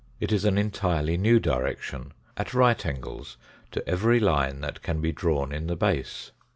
It is an entirely new direction, at right angles to every line that can be drawn in the base.